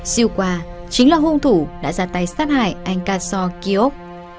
siêu qua chính là hung thủ đã ra tay sát hại anh katsuo kiyok